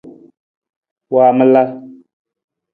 Waamala.